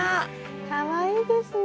かわいいですね。